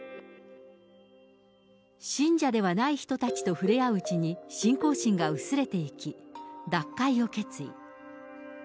信者ではない人たちとふれあううちに、信仰心が薄れていき、脱会を決意。